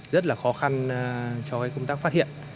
rất là khó khăn cho công tác phát hiện